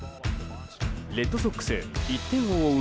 レッドソックス１点を追う